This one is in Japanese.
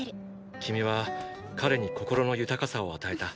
君は彼に心の豊かさを与えた。